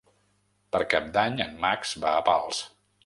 Per Cap d'Any en Max va a Pals.